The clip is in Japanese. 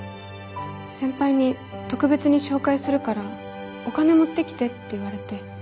先輩に「特別に紹介するからお金持ってきて」って言われて。